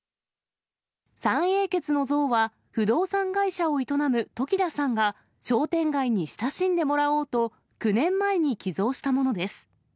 三英傑の像は、不動産会社を営む時田さんが、商店街に親しんでもらおうと、９年前に寄贈したものです。